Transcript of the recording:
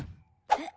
えっ？